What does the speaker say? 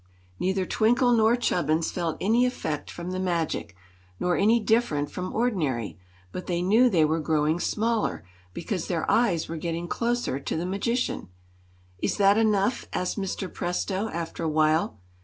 Neither Twinkle nor Chubbins felt any effect from the magic, nor any different from ordinary; but they knew they were growing smaller, because their eyes were getting closer to the magician. "Is that enough?" asked Mr. Presto, after a while.